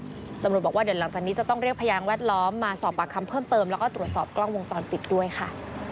ตำรวจบอกว่าเดี๋ยวหลังจากนี้จะต้องเรียกพยานแวดล้อมมาสอบปากคำเพิ่มเติมแล้วก็ตรวจสอบกล้องวงจรปิดด้วยค่ะ